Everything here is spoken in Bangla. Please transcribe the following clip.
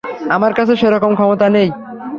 আমার কাছে সেরকম ক্ষমতা নেই।